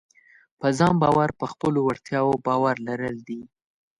په ځان باور په خپلو وړتیاوو باور لرل دي.